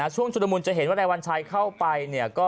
ช่วงจุดมุลจะเห็นว่านายวัญชัยเข้าไป